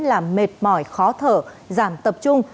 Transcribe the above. làm mệt mỏi khó thở giảm tập trung